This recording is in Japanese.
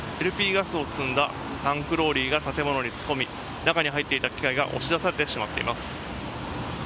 ＬＰガスを積んだタンクローリーが建物に突っ込み中に入っていた機械が押し出されてしまっています。